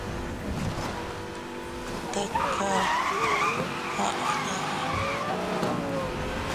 Tkar aa aʼaya.